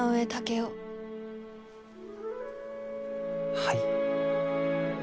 はい。